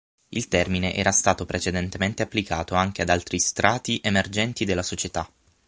Il termine era stato precedentemente applicato anche ad altri strati emergenti della società.